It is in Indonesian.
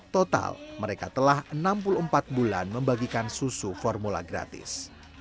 total mereka telah enam puluh empat bulan membagikan susu formula gratis